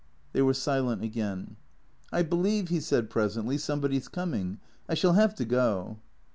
They were silent again. " I believe," he said presently, " somebody 's coming. I shall have to go."